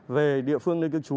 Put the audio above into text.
về địa phương lên kiếm chú